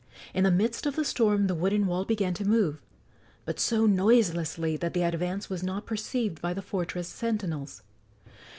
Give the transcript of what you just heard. In the midst of the storm the wooden wall began to move, but so noiselessly that the advance was not perceived by the fortress sentinels.